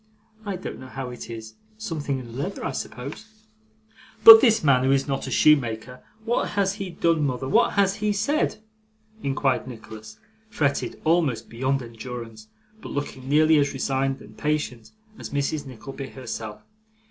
I don't know how it is something in the leather, I suppose.' 'But this man, who is not a shoemaker what has he done, mother, what has he said?' inquired Nicholas, fretted almost beyond endurance, but looking nearly as resigned and patient as Mrs. Nickleby herself.